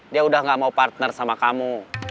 dia udah gak mau partner sama kamu